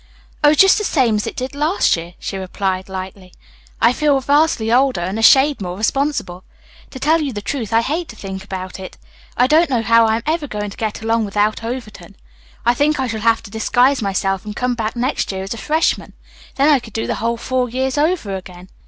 "Oh, just the same as it did last year," she replied lightly. "I feel vastly older and a shade more responsible. To tell you the truth, I hate to think about it. I don't know how I am ever going to get along without Overton. I think I shall have to disguise myself and come back next year as a freshman; then I could do the whole four years over again."